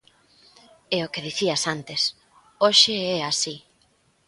E o que dicías antes: Hoxe é así.